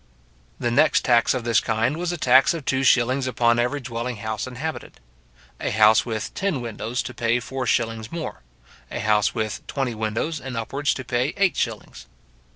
The next tax of this kind was a tax of two shillings upon every dwelling house inhabited. A house with ten windows to pay four shillings more. A house with twenty windows and upwards to pay eight shillings.